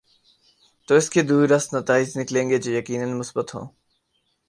تو اس کے دوررس نتائج نکلیں گے جو یقینا مثبت ہوں۔